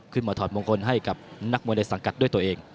ถอดมงคลให้กับนักมวยในสังกัดด้วยตัวเอง